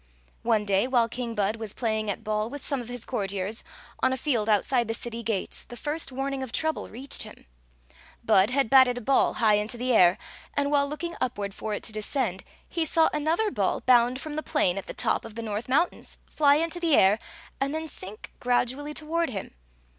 One day, while King Bud was playing at ball with some of his courtiers on a field outside the city gates, the first warning of trouble reached him. Bud had batted a ball high into the air, and while looking up ward for it to descend he saw another ball bound from the plain at the top of the North Mountains, fly into the air, and then sink gradually toward him.